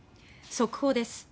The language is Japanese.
速報です。